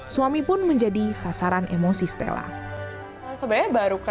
suami pun menjadi sasaran emosi stella